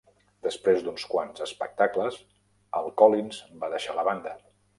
Després d'uns quants espectacles, Al Collins va deixar la banda.